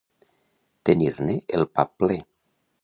Tenir-ne el pap ple.